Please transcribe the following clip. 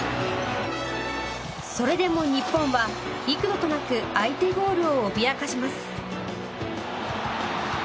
それでも日本は幾度となく相手ゴールを脅かします。